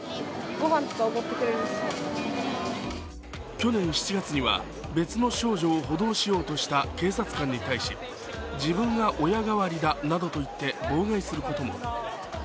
去年７月には別の少女を補導しようとした警察官に対し自分が親代わりだなどといって妨害することも。